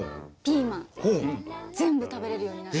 ピーマン全部食べれるように。